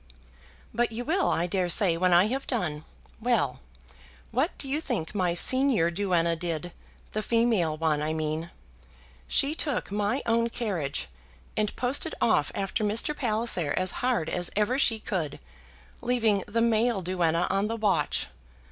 "But you will, I dare say, when I have done. Well; what do you think my senior duenna did, the female one, I mean? She took my own carriage, and posted off after Mr. Palliser as hard as ever she could, leaving the male duenna on the watch.